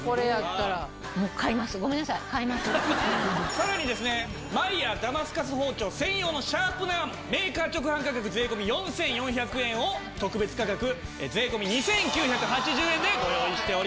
さらにですねマイヤーダマスカス包丁専用のシャープナーメーカー直販価格税込４４００円を特別価格税込２９８０円でご用意しております。